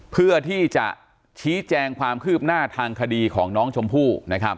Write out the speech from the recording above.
เพื่อที่จะชี้แจงความคืบหน้าทางคดีของน้องชมพู่นะครับ